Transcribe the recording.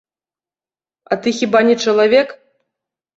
А ты хіба не чалавек?!